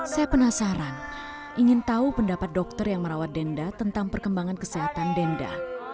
saya penasaran ingin tahu pendapat dokter yang merawat denda tentang perkembangan kesehatan denda